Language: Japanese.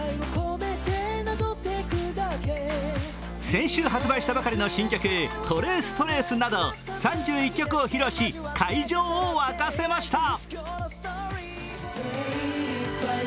先週発売したばかりの新曲、「ＴｒａｃｅＴｒａｃｅ」など３１曲を披露し会場を沸かせました。